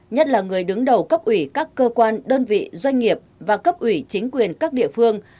nhất là người đứng đầu cấp ủy các cơ quan đơn vị doanh nghiệp và cấp ủy chính quyền các địa phương